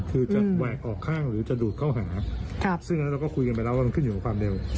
คือจะแหวกออกข้างหรือจะดูดเข้าหาซึ่งเราก็คุยกันไปแล้วว่ามันขึ้นอยู่กับความเร็ว